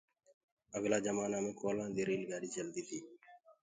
اگلآ جمآنآ مي گوئِيلآ دي ريل گآڏي چلدي تي۔